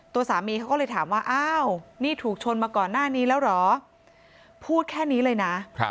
ตัวสามีเขาก็เลยถามว่าอ้าวนี่ถูกชนมาก่อนหน้านี้แล้วเหรอพูดแค่นี้เลยนะ